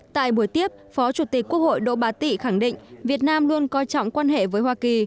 tại buổi tiếp phó chủ tịch quốc hội đỗ bá tị khẳng định việt nam luôn coi trọng quan hệ với hoa kỳ